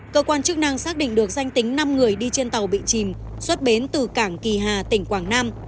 cơ quan chức năng xác định được danh tính năm người đi trên tàu bị chìm xuất bến từ cảng kỳ hà tỉnh quảng nam